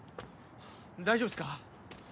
・大丈夫っすか？